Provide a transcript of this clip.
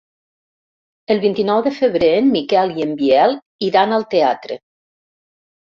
El vint-i-nou de febrer en Miquel i en Biel iran al teatre.